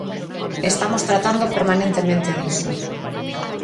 Estamos tratando permanentemente diso.